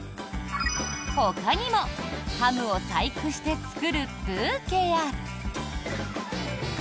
ほかにもハムを細工して作るブーケや。